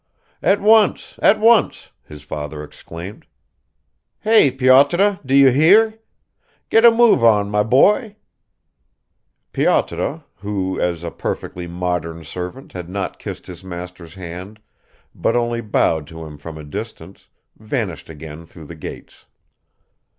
"At once, at once," his father exclaimed. "Hey, Pyotr, do you hear? Get a move on, my boy." Pyotr, who as a perfectly modern servant had not kissed his master's hand but only bowed to him from a distance, vanished again through the gates.